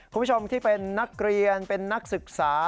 คุณผู้ชมที่เป็นนักเรียนเป็นนักศึกษา